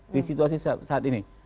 di situasi saat ini